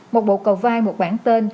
một bộ cầu vai một quảng tên